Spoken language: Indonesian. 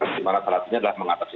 dimana salah satunya adalah mengatasi